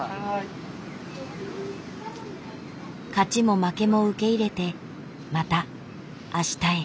勝ちも負けも受け入れてまたあしたへ。